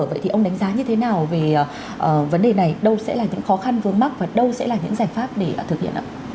vậy thì ông đánh giá như thế nào về vấn đề này đâu sẽ là những khó khăn vướng mắt và đâu sẽ là những giải pháp để thực hiện ạ